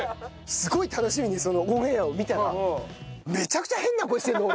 すごい楽しみにそのオンエアを見たらめちゃくちゃ変な声してるの俺。